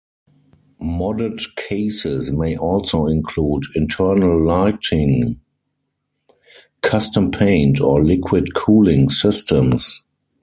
Modded cases may also include internal lighting, custom paint, or liquid cooling systems.